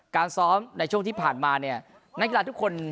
การซ้อมในช่วงที่ผ่านมาเนี่ยนักกีฬาทุกคน